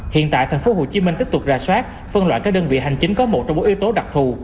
hiện tại tp hcm tiếp tục ra soát phân loại các đơn vị hành chính có một trong bốn yếu tố đặc thù